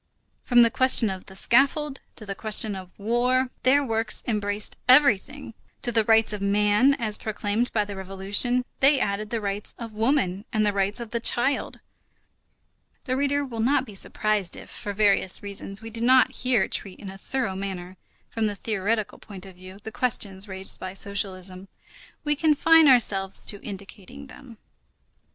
From the question of the scaffold to the question of war, their works embraced everything. To the rights of man, as proclaimed by the French Revolution, they added the rights of woman and the rights of the child. The reader will not be surprised if, for various reasons, we do not here treat in a thorough manner, from the theoretical point of view, the questions raised by socialism. We confine ourselves to indicating them.